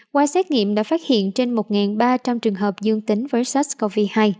qua xét nghiệm đã phát hiện trên một ba trăm linh trường hợp dương tính với sars cov hai